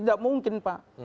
tidak mungkin pak